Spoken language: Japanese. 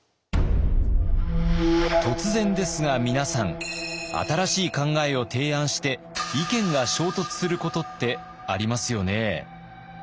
突然ですが皆さん新しい考えを提案して意見が衝突することってありますよね。